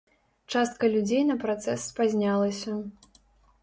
Частка людзей на працэс спазнялася.